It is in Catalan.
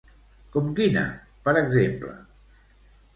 Com quina, per exemple?